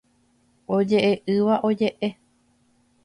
Ojeʼeʼỹva ojeʼe.